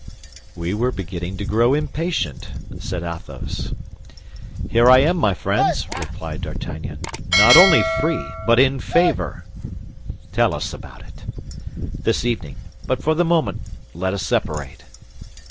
"We were beginning to grow impatient," said Athos. "Here I am, my friends," replied D'Artagnan; "not only free, but in favor." "Tell us about it." "This evening; but for the moment, let us separate."